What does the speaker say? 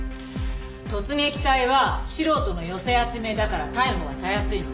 突撃隊は素人の寄せ集めだから逮捕はたやすいの。